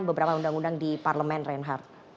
beberapa undang undang di parlemen reinhardt